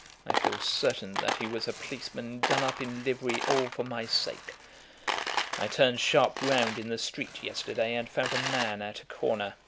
I feel certain that he was a policeman done up in livery all for my sake. I turned sharp round in the street yesterday, and found a man at a corner.